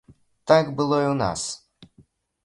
Так было і ў нас.